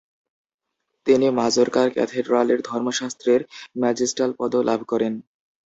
তিনি মাজোর্কার ক্যাথেড্রালের ধর্মশাস্ত্রের ম্যাজিস্টাল পদও লাভ করেন।